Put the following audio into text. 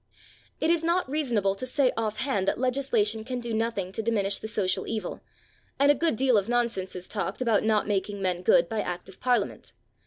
It is not reasonable to say off hand that legislation can do nothing to diminish the social evil, and a good deal of nonsense is talked about not making men good by Act of Parliament.